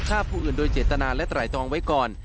ฆ่าผู้อื่นโดยเจตนาและไตรตรองไว้ก่อน